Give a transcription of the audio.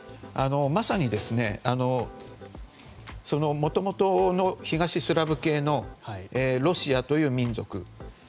まさにもともとの東スラブ系のロシアという民族。